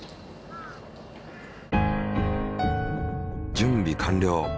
準備完了！